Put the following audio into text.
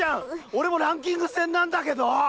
俺もランキング戦なんだけど！